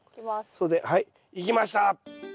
それではいいきました！